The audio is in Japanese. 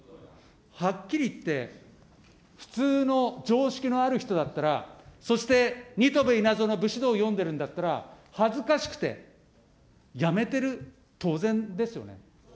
はっきり言って、普通の常識のある人だったら、そして新渡戸稲造の武士道を読んでるんだったら、恥ずかしくて辞めてる、当然ですよね。